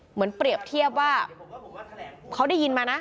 เปรียบเทียบว่าเขาได้ยินมานะ